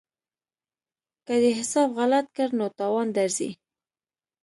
که دې حساب غلط کړ نو تاوان درځي.